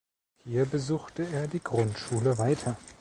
Hier besuchte er die Grundschule weiter.